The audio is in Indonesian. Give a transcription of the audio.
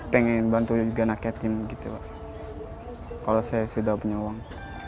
pengen bantu juga anak yatim gitu kalau saya sudah punya uang